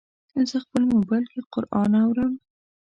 زه خپل موبایل کې قرآن اورم.